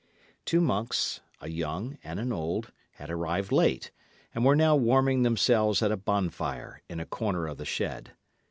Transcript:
Two monks a young and an old had arrived late, and were now warming themselves at a bonfire in a corner of the shed.